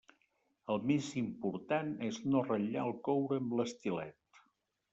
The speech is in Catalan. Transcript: El més important és no ratllar el coure amb l'estilet.